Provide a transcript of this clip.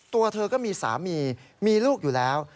ตัวเธอก็มีสามีมีลูกอยู่แล้ว